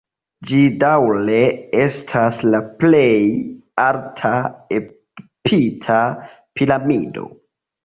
Ĝi daŭre estas la plej alta egipta piramido.